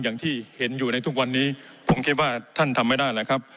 อย่างที่เห็นอยู่ในทุกวันนี้ผมคิดว่าท่านทำไม่ได้แล้วครับ